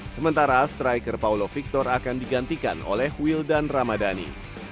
sementara striker paulo victor akan digantikan oleh wildan ramadhani